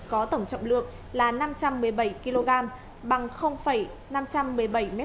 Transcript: có tổng trọng lượng là năm trăm một mươi bảy kg bằng năm trăm một mươi bảy m hai